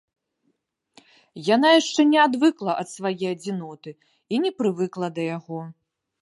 Яна яшчэ не адвыкла ад свае адзіноты і не прывыкла да яго.